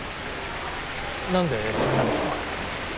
何でそんなこと？